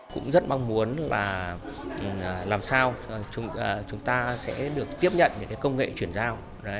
cũng rất mong muốn là làm sao chúng ta sẽ được tiếp nhận những công nghệ chuyển giao